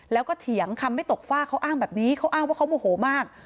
แล้วก็เถียงคำไม่ตกฝ้าเขาอ้างแบบนี้เขาอ้างว่าเขาโมโหมาก